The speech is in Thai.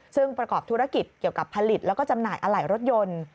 ซึ่งประกอบธุรกิจเกี่ยวกับผลิตแล้วก็จำหน่ายอะไหล่รถยนต์